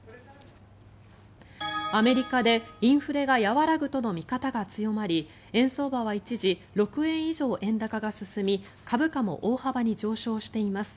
アメリカでインフレが和らぐとの見方が強まり円相場は一時６円以上円高が進み株価も大幅に上昇しています。